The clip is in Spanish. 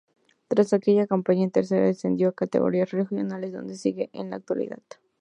Tras aquella campaña en Tercera descendió a categorías regionales, donde sigue en la actualidad.